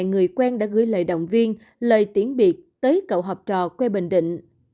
người quen đã gửi lời động viên lời tiễn biệt tới cậu học trò quê bình định